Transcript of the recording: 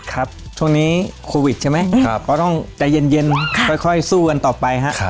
ครับช่วงนี้โควิดใช่ไหมก็ต้องใจเย็นค่อยสู้กันต่อไปฮะ